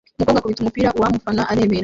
Umukobwa akubita umupira uwamufata arareba